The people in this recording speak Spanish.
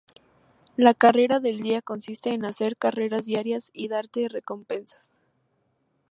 La carrera del día consiste en hacer carreras diarias y darte recompensas.